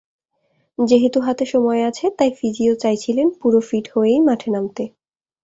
যেহেতু হাতে সময় আছে, তাই ফিজিও চাইছিলেন পুরো ফিট হয়েই মাঠে নামতে।